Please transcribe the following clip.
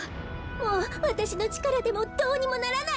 もうわたしのちからでもどうにもならないのね。